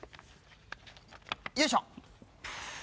よいしょ。